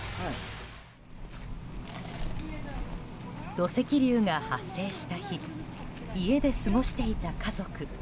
土石流が発生した日家で過ごしていた家族。